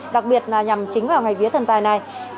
đặc biệt là nhằm chính vào ngày vía thần tài này